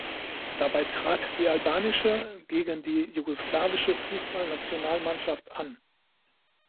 Dabei trat die albanische gegen die jugoslawische Fußballnationalmannschaft an.